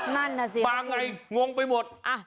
นั่นสิครับคุณมาไงง้วงไปวิ่งมา